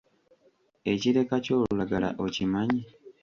Ekireka ky'olulagala okimanyi?